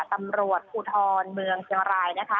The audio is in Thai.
ตำรวจภูทรเมืองเชียงรายนะคะ